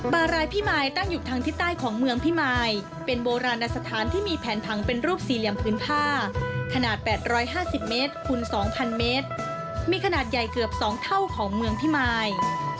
บารายพิมายตั้งอยู่ทางทิศใต้ของเมืองพิมายเป็นโบราณสถานที่มีแผนผังเป็นรูปสี่เหลี่ยมพื้นผ้าขนาด๘๕๐เมตรคูณ๒๐๐เมตรมีขนาดใหญ่เกือบ๒เท่าของเมืองพิมาย